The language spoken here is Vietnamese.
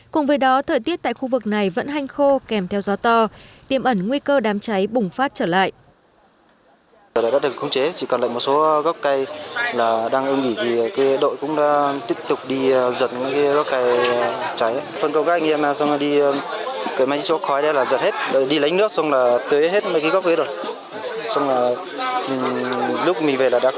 cùng với đó thời tiết tại khu vực này vẫn hanh khô kèm theo gió to tiêm ẩn nguy cơ đám cháy bùng phát trở lại